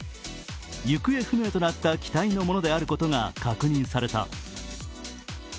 行方不明となった機体のものであることが確認された。